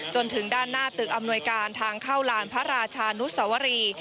จนถึงด้านหน้าตึกอำนวยการทางเข้าลานพระราชานุสวรี